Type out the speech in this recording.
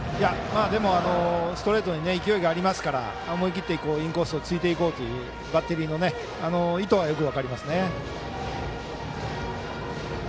でも、ストレートに勢いがありますから思い切ってインコースを突いていこうというバッテリーの意図はよく分かりました。